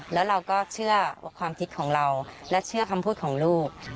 แล้วเราก็เชื่อความคิดของเราและเชื่อคำพูดของลูก